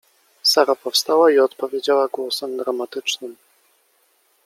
Sara powstała i odpowiedziała głosem dramatycznym.